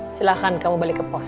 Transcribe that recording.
silahkan kamu balik ke pos